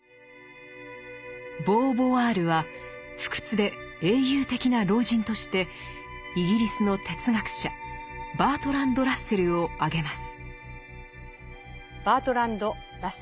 ボーヴォワールは不屈で英雄的な老人としてイギリスの哲学者バートランド・ラッセルを挙げます。